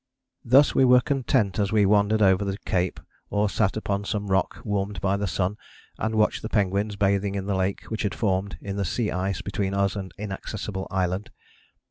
Thus we were content as we wandered over the cape, or sat upon some rock warmed by the sun and watched the penguins bathing in the lake which had formed in the sea ice between us and Inaccessible Island.